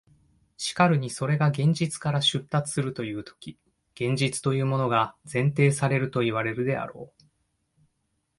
しかるにそれが現実から出立するというとき、現実というものが前提されるといわれるであろう。